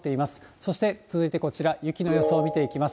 そして、続いてこちら、雪の予想を見ていきます。